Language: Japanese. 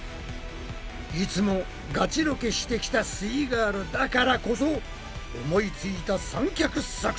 いつもガチロケしてきたすイガールだからこそ思いついた三脚作戦。